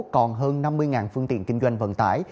còn hơn năm mươi phương tiện kinh doanh vận tải